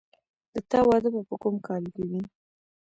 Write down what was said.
د تا واده به په کوم کال کې وي